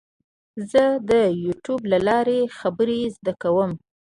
زه د یوټیوب له لارې خبرې زده کوم.